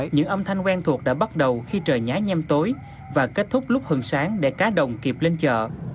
những âm thanh quen thuộc đã bắt đầu khi trời nhái nhem tối và kết thúc lúc hừng sáng để cá đồng kịp lên chợ